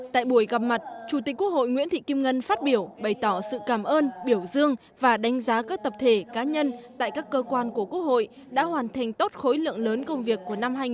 tại buổi gặp mặt chủ tịch quốc hội nguyễn thị kim ngân phát biểu bày tỏ sự cảm ơn biểu dương và đánh giá các tập thể cá nhân tại các cơ quan của quốc hội đã hoàn thành tốt khối lượng lớn công việc